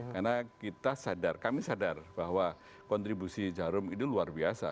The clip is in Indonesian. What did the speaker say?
karena kita sadar kami sadar bahwa kontribusi jarum itu luar biasa